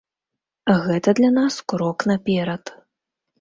Гэта для нас крок наперад.